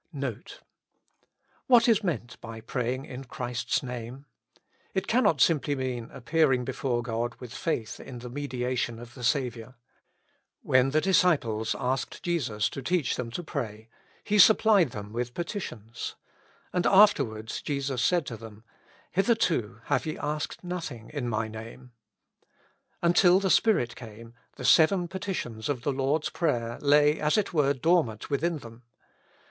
NOTE. " What is meant by praying in Christ's name? It cannot mean simply appearing before God with faith in the mediation of the Saviour. When the disciples 197 With Christ in the School of Prayer. asked Jesus to teach them to pray, He supplied them with petitions. And afterwards Jesus said to them, '* Hitherto have ye asked nothing in my Name." Until the Spirit came, the seven petitions of the Lord's prayer lay as it were dormant within them.